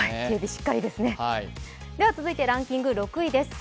続いてランキング６位です。